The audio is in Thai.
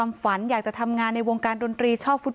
แต่มันถือปืนมันไม่รู้นะแต่ตอนหลังมันจะยิงอะไรหรือเปล่าเราก็ไม่รู้นะ